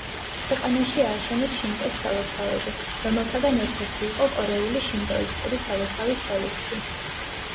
ქვეყანაში ააშენეს შინტოს სალოცავები, რომელთაგან ერთ-ერთი იყო კორეული შინტოისტური სალოცავი სეულში.